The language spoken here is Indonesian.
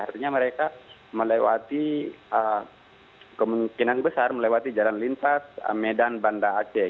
artinya mereka melewati kemungkinan besar melewati jalan lintas medan banda aceh